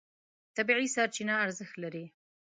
طبیعي سرچینه ارزښت لري.